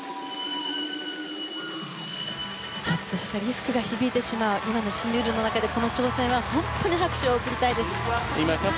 ちょっとしたミスから響いてしまう今の新ルールの中で、この挑戦は本当に拍手を送りたいですね。